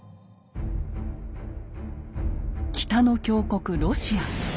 北の強国ロシア。